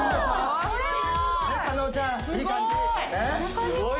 すごい！